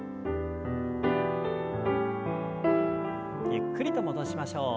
ゆっくりと戻しましょう。